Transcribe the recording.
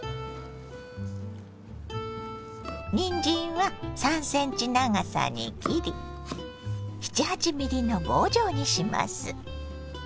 にんじんは３ｃｍ長さに切り７８ｍｍの棒状にします。